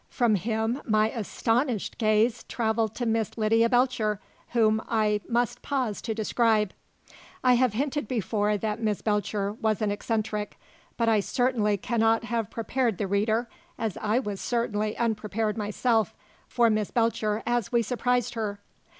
From him my astonished gaze travelled to Miss Lydia Belcher, whom I must pause to describe. I have hinted before that Miss Belcher was an eccentric; but I certainly cannot have prepared the reader as I was certainly unprepared myself for Miss Belcher as we surprised her.